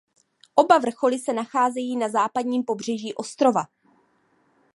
Oba vrcholy se nacházejí na západním pobřeží ostrova.